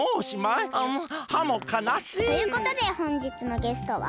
ハモかなしい！ということでほんじつのゲストは。